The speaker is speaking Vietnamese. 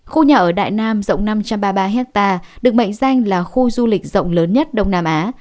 khu nhà ở đại nam rộng năm trăm ba mươi ba hectare được mệnh danh là khu du lịch rộng lớn nhất đông nam á